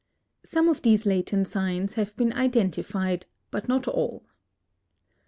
Some of these latent signs have been identified, but not all.